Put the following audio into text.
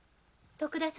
徳田様。